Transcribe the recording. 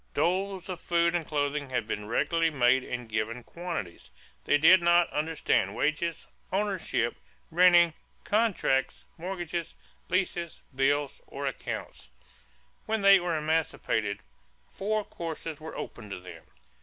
Doles of food and clothing had been regularly made in given quantities. They did not understand wages, ownership, renting, contracts, mortgages, leases, bills, or accounts. When they were emancipated, four courses were open to them.